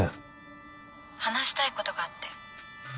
話したいことがあって。